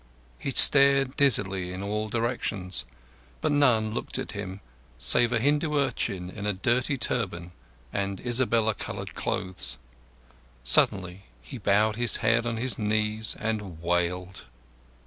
He stared dizzily in all directions, but none looked at him save a Hindu urchin in a dirty turban and Isabella coloured clothes. Suddenly he bowed his head on his knees and wailed.